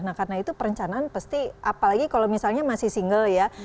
nah karena itu perencanaan pasti apalagi kalau misalnya masih single ya